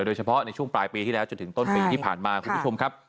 โดยเฉพาะในช่วงปลายปีที่แล้วจนถึงต้นปีที่ผ่านมาคุณผู้ชมครับ